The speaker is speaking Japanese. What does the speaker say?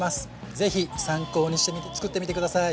是非参考にしてみてつくってみてください！